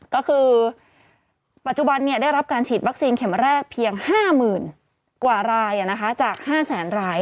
ก็คือปัจจุบันได้รับการฉีดวัคซีนเข็มแรกเพียง๕๐๐๐กว่ารายจาก๕แสนราย